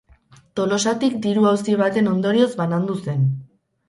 Tolosatik diru-auzi baten ondorioz banandu zen.